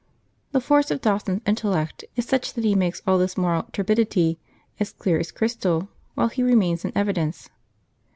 The force of Dawson's intellect is such that he makes all this moral turbidity as clear as crystal while he remains in evidence.